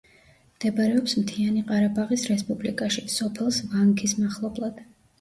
მდებარეობს მთიანი ყარაბაღის რესპუბლიკაში, სოფელს ვანქის მახლობლად.